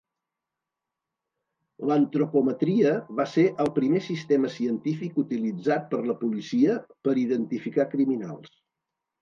L'antropometria va ser el primer sistema científic utilitzat per la policia per identificar criminals.